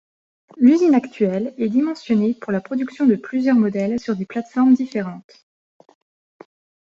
L'usine actuelle est dimensionnée pour la production de plusieurs modèles sur des plateformes différentes.